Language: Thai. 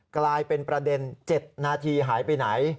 กลายเป็นประเด็น๗นาทีหายไปไหน